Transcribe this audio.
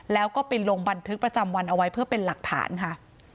แล้วก็ไปลงบันทึกประจำวันเอาไว้เพื่อเป็นหลักฐานค่ะ